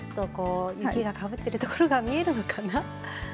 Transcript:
ちらっと雪がかぶっているところが見えるのかな。